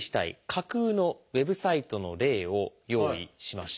架空のウェブサイトの例を用意しました。